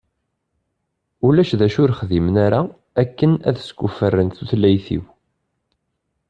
Ulac d acu ur xdimen ara akken ad skuffren tutlayt-iw.